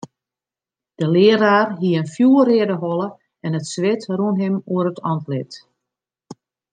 De learaar hie in fjoerreade holle en it swit rûn him oer it antlit.